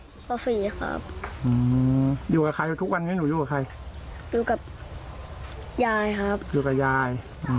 ป๔ครับอยู่กับใครอยู่ทุกวันนี้หนูอยู่กับใครอยู่กับยายครับอยู่กับยาย